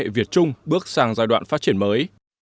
và chung bước sang giai đoạn phát triển mới